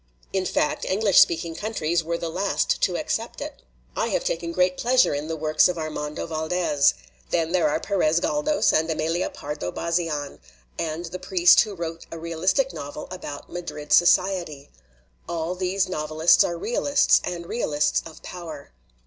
In fact, English speaking countries were the last to ac cept it. I have taken great pleasure in the works of Armando Valdes. Then there are Perez Gal d6s and Emilia Pardo Bazian, and that priest 12 WAR STOPS LITERATURE who wrote a realistic novel about Madrid society. All these novelists are realists, and realists of power.